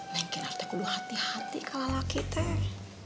neng kinar tuh udah hati hati kalau lelaki teh